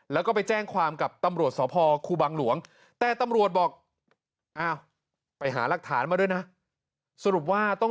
แล้วก็ไปแจ้งความกับตำรวจสพครูบังหลวงแต่ตำรวจบอกอ้าวไปหารักฐานมาด้วยนะสรุปว่าต้อง